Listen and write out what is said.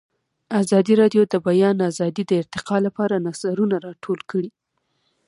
ازادي راډیو د د بیان آزادي د ارتقا لپاره نظرونه راټول کړي.